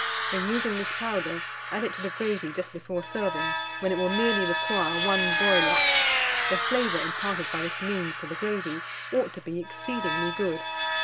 In using this powder, add it to the gravy just before serving, when it will merely require one boil up. The flavour imparted by this means to the gravy, ought to be exceedingly good.